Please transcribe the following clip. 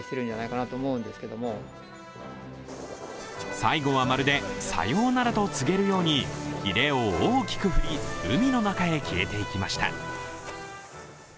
最後はまるで「さようなら」と告げるようにひれを大きく振り海の中へ消えていきました。